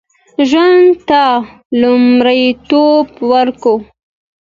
ژوند ته لومړیتوب ورکړو